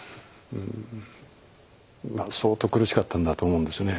まあ相当苦しかったんだと思うんですね。